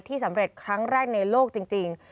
สำเร็จครั้งแรกในโลกจริง